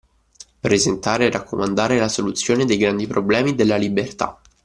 Presentare e raccomandare la soluzione dei grandi problemi della libertà